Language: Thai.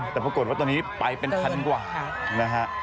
แต่ปรากฏว่าตอนนี้ไปเป็นพันกว่านะฮะ